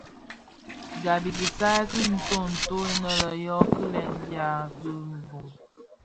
Gab i kisaï ki nton nto inèn yo kilèn di biag bi bum.